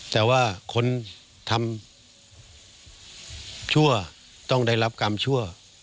แต่ว่าคนทำชั่วต้องได้รับกรรมชั่ว